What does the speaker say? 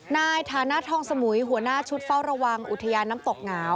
ในฐานะทองสมุยหัวหน้าชุดเฝ้าระวังอุทยานน้ำตกหงาว